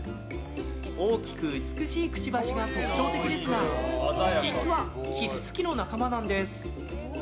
大きく美しいくちばしが特徴的ですが実はキツツキの仲間なんです。